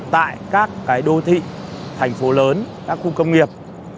tại các đô thị thành phố lớn các khu công nghiệp